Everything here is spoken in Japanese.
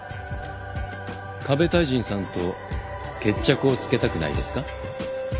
ＫＡＢＥ太人さんと決着をつけたくないですか？